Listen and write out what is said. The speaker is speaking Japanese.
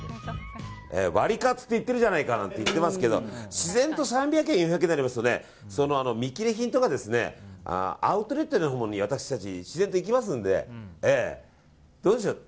ワリカツって言っているじゃないかって言っていますが自然と３００円、４００円になりますと見切り品とかですねアウトレットのほうに、私たち自然と行きますのでどうでしょう？